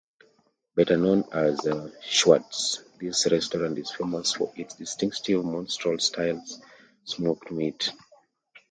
Better known as "Schwartz's", this restaurant is famous for its distinctive Montreal-style smoked meat.